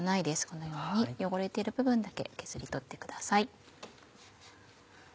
このように汚れている部分だけ削り取ってください。